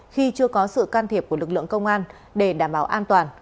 khi chưa có sự can thiệp của lực lượng công an để đảm bảo an toàn